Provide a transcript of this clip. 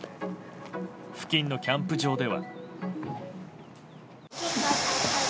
付近のキャンプ場では。